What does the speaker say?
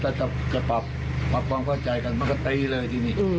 ถ้าจะปรับความเข้าใจกันมันก็ตีเลยทีนี้